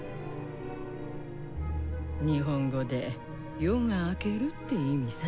日本語で「夜が明ける」って意味さ。